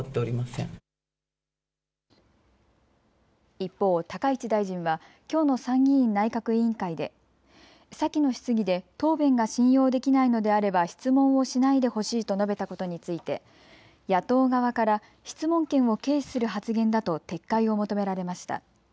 一方、高市大臣はきょうの参議院内閣委員会で先の質疑で答弁が信用できないのであれば質問をしないでほしいと述べたことについて野党側から質問権を軽視する発言だと撤回を求められました。